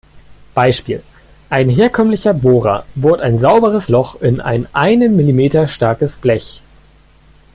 Beispiel: Ein herkömmlicher Bohrer bohrt ein sauberes Loch in ein einen Millimeter starkes Blech.